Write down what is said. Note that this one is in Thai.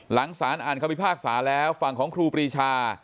หลังสารอ่านคำพิพากษาแล้วฝั่งของครูปรีชา